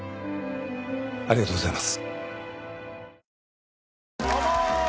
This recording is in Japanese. ありがとうございます。